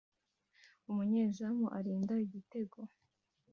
Umunyezamu arinda igitego